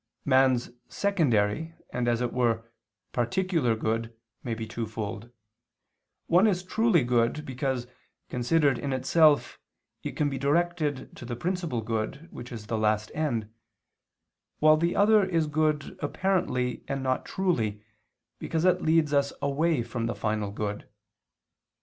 Man's secondary and, as it were, particular good may be twofold: one is truly good, because, considered in itself, it can be directed to the principal good, which is the last end; while the other is good apparently and not truly, because it leads us away from the final good.